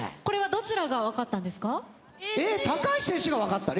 これはどちらが分かったんですか？